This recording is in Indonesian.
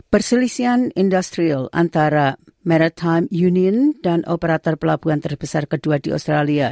perselisihan industrial antara maritime union dan operator pelabuhan terbesar kedua di australia